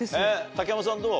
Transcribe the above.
竹山さんどう？